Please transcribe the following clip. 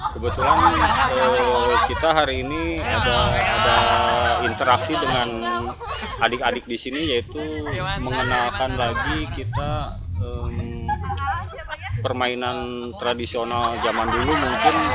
kebetulan kita hari ini ada interaksi dengan adik adik di sini yaitu mengenalkan lagi kita permainan tradisional zaman dulu mungkin